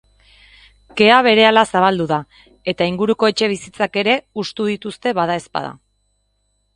Kea berehala zabaldu da, eta inguruko etxebizitzak ere hustu dituzte, badaezpada.